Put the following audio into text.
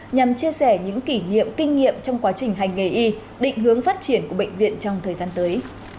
nhằm chia sẻ những kỷ niệm kinh nghiệm trong quá trình hành nghề y định hướng phát triển của bệnh viện trong thời gian tới